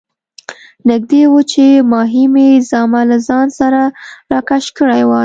نږدې وو چې ماهي مې زامه له ځان سره راکش کړې وای.